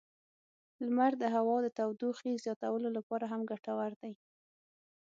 لمر د هوا د تودوخې زیاتولو لپاره هم ګټور دی.